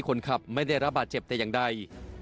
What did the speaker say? คนขับไม่ได้รับบาดเจ็บแต่อย่างใด